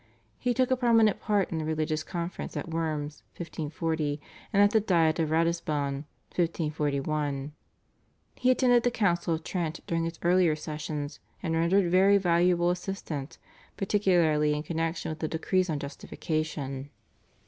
He took a prominent part in the religious conference at Worms (1540) and at the Diet of Ratisbon (1541). He attended the Council of Trent during its earlier sessions, and rendered very valuable assistance, particularly in connexion with the decrees on Justification.